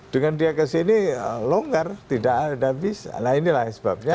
dengan dia kesini longgar tidak habis nah inilah sebabnya